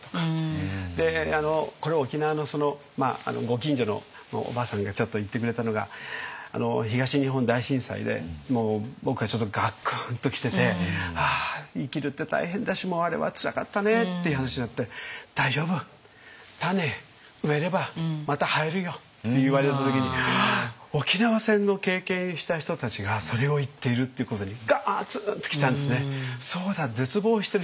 これ沖縄のご近所のおばあさんがちょっと言ってくれたのが東日本大震災で僕はちょっとガクーンと来てて「ああ生きるって大変だしもうあれはつらかったね」っていう話になって「大丈夫。種植えればまた生えるよ」って言われた時にああ沖縄戦の経験した人たちがそれを言っているっていうことにガツーンと来たんですね。